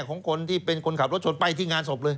ของคนที่เป็นคนขับรถชนไปที่งานศพเลย